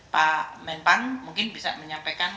pak menpan mungkin bisa menyampaikan